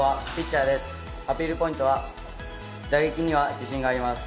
アピールポイントは打撃には自信があります。